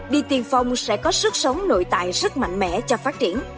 đi tiền phong sẽ có sức sống nội tại rất mạnh mẽ cho phát triển